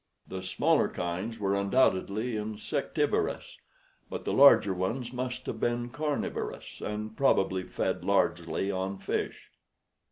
The smaller kinds were undoubtedly insectivorous, but the larger ones must have been carnivorous, and probably fed largely on fish."